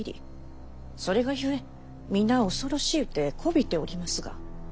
それがゆえ皆恐ろしうて媚びておりますが。